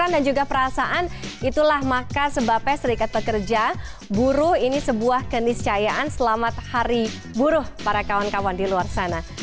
dan juga perasaan itulah maka sebabnya serikat pekerja buruh ini sebuah keniscayaan selamat hari buruh para kawan kawan di luar sana